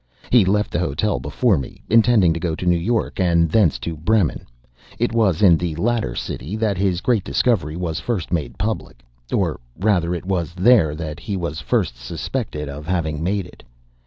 He left the hotel before me, intending to go to New York, and thence to Bremen; it was in the latter city that his great discovery was first made public; or, rather, it was there that he was first suspected of having made it.